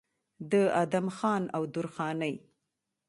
د ادم خان او درخانۍ